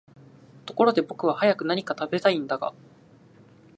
ところで僕は早く何か喰べたいんだが、